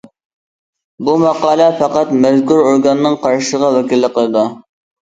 بۇ ماقالە پەقەت مەزكۇر ئورگاننىڭ قارىشىغا ۋەكىللىك قىلىدۇ.